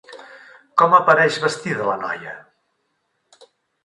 Com apareix vestida la noia?